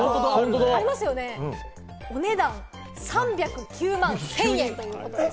お値段３０９万１０００円ということです。